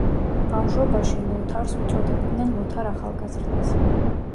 ბავშვობაში ლოთარს უწოდებდნენ „ლოთარ ახალგაზრდას“.